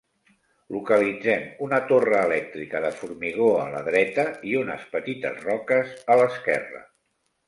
Localitzem una torre elèctrica de formigó a la dreta i unes petites roques a l'esquerra.